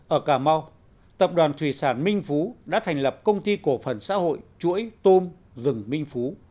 ở cà mau tập đoàn thủy sản minh phú đã thành lập công ty cổ phần xã hội chuỗi tôm rừng minh phú